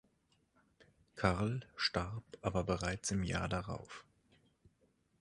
Karl starb aber bereits im Jahr darauf.